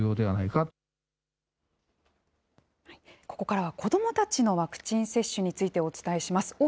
ここからは子どもたちのワクチン接種について、お伝えします。